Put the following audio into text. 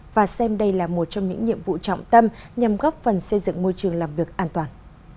và xem đây là một trong những nhiệm vụ trọng tâm nhằm góp phần xây dựng môi trường làm việc an toàn